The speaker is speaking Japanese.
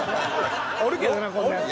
おるけどなこんなやつ。